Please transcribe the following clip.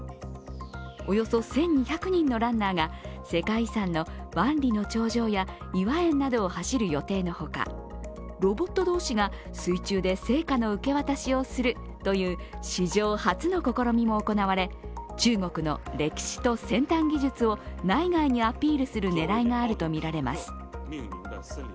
およそ１２００人ランナーが世界遺産の万里の長城や頤和園などを走る予定の他、ロボット同士が水中で聖火の受け渡しをするという史上初の試みも行われ、中国の歴史と先端技術を内外にアピールする狙いがあるとみられます。